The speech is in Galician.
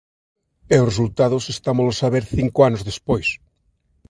E os resultados estámolos a ver cinco anos despois.